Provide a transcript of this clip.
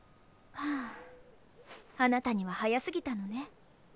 あなたには早すぎたのね。